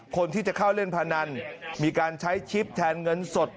คนที่จะเข้าเล่นพนันมีการใช้ชิปแทนเงินสด